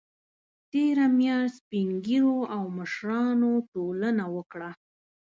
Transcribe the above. تېره میاشت سپین ږیرو او مشرانو ټولنه وکړه